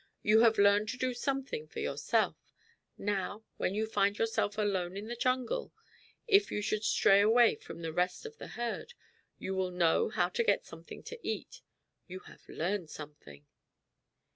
"You have learned to do something for yourself. Now, when you find yourself alone in the jungle, if you should stray away from the rest of the herd, you will know how to get something to eat. You have learned something."